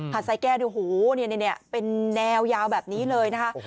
หาดสายแก้วดูโอ้โฮเป็นแนวยาวแบบนี้เลยนะคะ